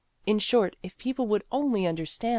In short, if people would only understand."